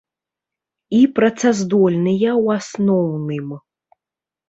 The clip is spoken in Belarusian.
І працаздольныя ў асноўным.